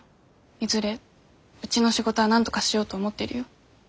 いずれうちの仕事はなんとかしようと思ってるよ。